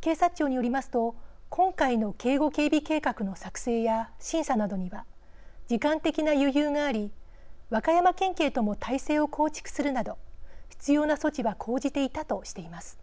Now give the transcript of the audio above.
警察庁によりますと今回の警護・警備計画の作成や審査などには時間的な余裕があり和歌山県警とも態勢を構築するなど必要な措置は講じていたとしています。